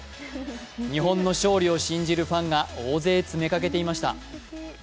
日本の勝利を信じるファンが大勢詰めかけていました。